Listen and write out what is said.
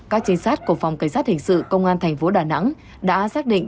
các chính sách của phòng cảnh sát hình sự công an tp đà nẵng đã xác định